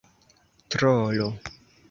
trolo